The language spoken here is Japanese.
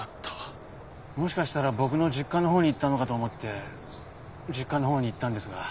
もしかしたら僕の実家の方に行ったのかと思って実家の方に行ったんですが。